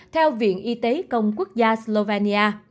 theo viện y tế công quốc gia slovenia